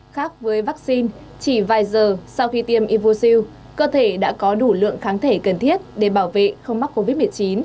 khác với vaccine chỉ vài giờ sau khi tiêm ivosil cơ thể đã có đủ lượng kháng thể cần thiết để bảo vệ không mắc covid một mươi chín